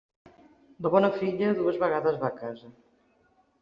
La bona filla, dues vegades va a casa.